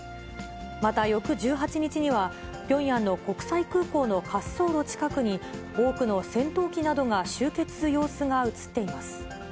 また翌１８日には、ピョンヤンの国際空港の滑走路近くに、多くの戦闘機などが集結する様子が写っています。